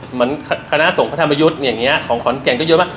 เหมือนคณะสงฆ์พระธรรมยุติอย่างนี้ของขอนแก่งก็โยนว่า